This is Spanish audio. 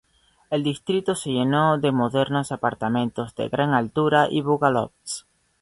El distrito se llenó de de modernos apartamentos de gran altura y bungalows.